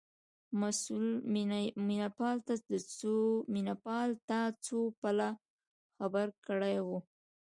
مسئول مینه پال ته څو پلا خبره کړې وه.